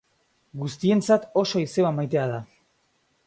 Guztientzat oso izeba maitea da.